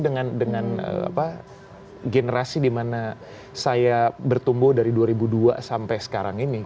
dengan generasi di mana saya bertumbuh dari dua ribu dua sampai sekarang ini